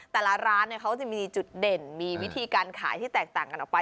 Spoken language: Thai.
แต่ละร้านเขาจะมีจุดเด่นมีวิธีการขายที่แตกต่างกันออกไป